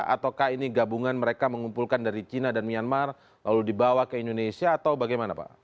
ataukah ini gabungan mereka mengumpulkan dari cina dan myanmar lalu dibawa ke indonesia atau bagaimana pak